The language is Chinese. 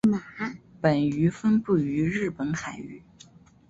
本鱼分布于日本海域。